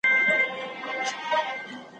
خلګ ناوړه رواجونه پر ځانونو لازم ګڼي.